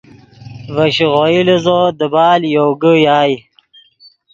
ڤے شیغوئی لیزو دیبال یوگے یائے